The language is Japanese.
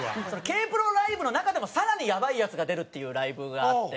Ｋ−ＰＲＯライブの中でも更にやばいヤツが出るっていうライブがあって。